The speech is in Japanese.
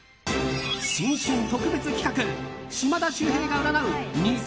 新春特別企画島田秀平が占う